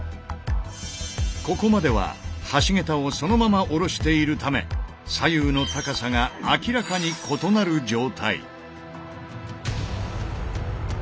ここまでは橋桁をそのままおろしているため左右の高さが明らかに異なる状態。